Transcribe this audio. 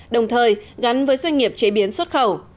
đồng thời gắn với doanh nghiệp chế biến xuất khẩu